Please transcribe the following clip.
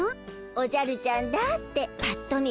「おじゃるちゃんだ」ってぱっと見